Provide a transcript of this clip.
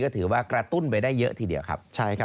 ถือว่ากระตุ้นไปได้เยอะทีเดียวครับ